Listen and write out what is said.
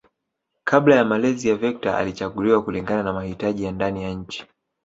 Kabla ya malezi ya vector alichaguliwa kulingana na mahitaji ya ndani ya nchi